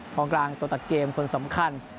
พร้อมตัวตากเกมคนสำคัญ